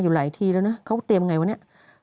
อยู่หลายทีแล้วนะเขาเตรียมไงวะเนี่ย